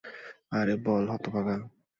আরে বল, হতভাগা।